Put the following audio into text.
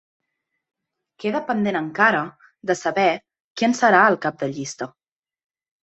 Queda pendent encara de saber qui en serà el cap de llista.